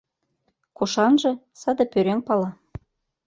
Кушанже — саде пӧръеҥ пала.